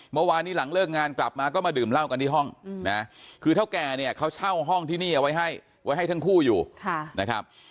เมื่อวานนี้หลังเลิกงานกลับมาก็มาดื่มเหล้ากันที่ห้องนะคือเท่าแก่เนี่ยเขาเช่าห้องที่นี่เอาไว้ให้ไว้ให้ทั้งคู่อยู่นะครับ